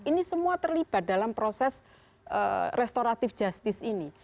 ini semua terlibat dalam proses restoratif justice ini